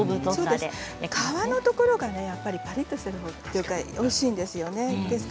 皮のところがパリっとしている状態がおいしいんですよね。